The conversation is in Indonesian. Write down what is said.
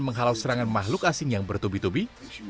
menghalau serangan makhluk asing yang bertubi tubi